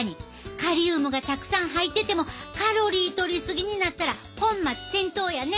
カリウムがたくさん入っててもカロリーとり過ぎになったら本末転倒やね。